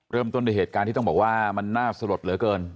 เริ่มต้นด้วยเหตุการณ์ที่ต้องบอกว่ามันน่าสลดเหลือเกิน